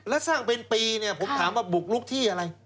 แล้วสร้างเป็นปีเนี่ยผมถามว่าบุกลุกที่อะไร